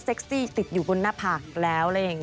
เซ็กซี่ติดอยู่บนหน้าพักแล้ว